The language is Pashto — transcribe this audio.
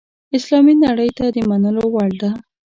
اسلامي نړۍ ته د منلو وړ ده.